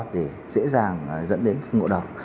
để dễ dàng dẫn đến ngộ đau